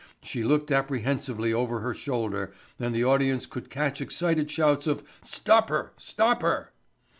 She looked apprehensively over her shoulder and the audience could catch excited shouts of "stop her, stop her."